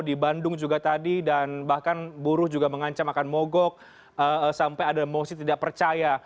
di bandung juga tadi dan bahkan buruh juga mengancam akan mogok sampai ada emosi tidak percaya